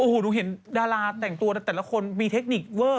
โอ้โหหนูเห็นดาราแต่งตัวแต่ละคนมีเทคนิคเวอร์